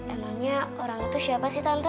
emangnya orang itu siapa sih tante